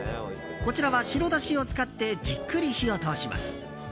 こちらは白だしを使ってじっくり火を通します。